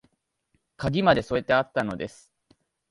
鍵まで添えてあったのです